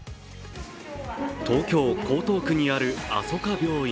東京・江東区にあるあそか病院。